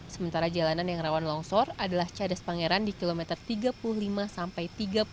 sementara jalanan yang rawan longsor adalah cadas pangeran di kilometer tiga puluh lima sampai tiga puluh